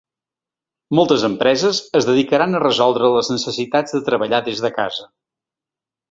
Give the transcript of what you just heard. Moltes empreses es dedicaran a resoldre les necessitats de treballar des de casa.